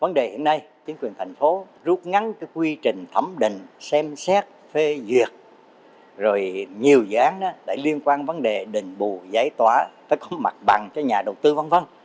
vấn đề hiện nay chính quyền thành phố rút ngắn quy trình thẩm định xem xét phê duyệt rồi nhiều dự án liên quan vấn đề định bù giải tóa phải có mặt bằng cho nhà đầu tư v v